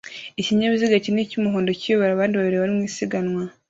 Ikinyabiziga kinini cy'umuhondo kiyobora abandi babiri mu isiganwa